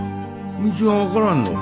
道が分からんのか？